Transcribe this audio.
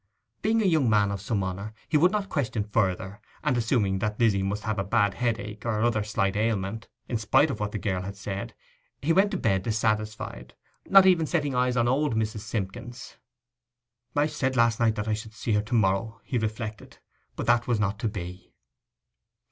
Being a young man of some honour, he would not question further, and assuming that Lizzy must have a bad headache, or other slight ailment, in spite of what the girl had said, he went to bed dissatisfied, not even setting eyes on old Mrs. Simpkins. 'I said last night that I should see her to morrow,' he reflected; 'but that was not to be!